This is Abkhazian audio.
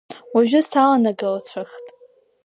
Уажәы саланагалацәахт.